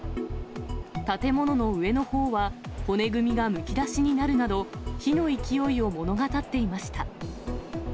建物の上のほうは骨組みがむき出しになるなど、火の勢いを物語っていました。